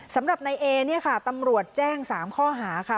สำหรับนายเอเนี่ยค่ะตำรวจแจ้ง๓ข้อหาค่ะ